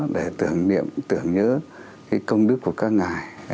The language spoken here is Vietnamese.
để tưởng nhớ cái công đức của các ngài